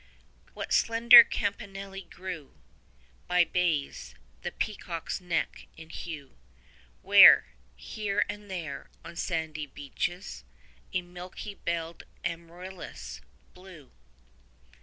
What slender campanili grew By bays, the peacock's neck in hue; Where, here and there, on sandy beaches 15 A milky belled amaryllis blew.